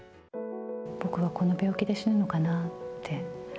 僕はこの病気で死ぬのかなって。